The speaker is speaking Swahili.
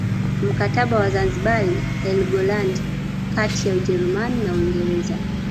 Mkataba wa Zanzibar Helgoland kati ya Ujerumani na Uingereza